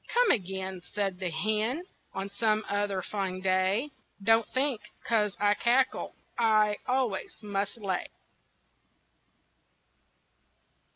"Come again," Said the hen, "On some other fine day. Don't think 'cause I cackle I always must lay."